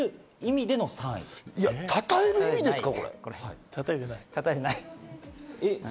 いや、これ、たたえる意味ですか？